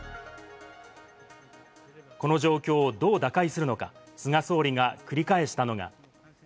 この状況をどう打開するのか、菅総理が繰り返したのが。